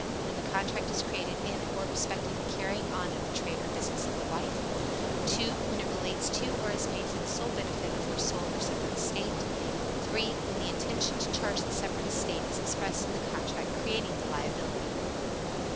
When the contract is created in or respecting the carrying on of the trade or business of the wife. 2. When it relates to or is made for the sole benefit of her sole or separate estate. 3. When the intention to charge the separate estate is expressed in the contract creating the liability.